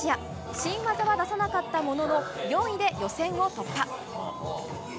新技は出さなかったものの４位で予選を突破。